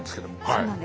そうなんです。